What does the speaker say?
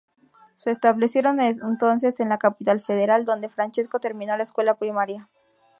Se establecieron entonces en la Capital Federal, donde Francesco terminó la escuela primaria.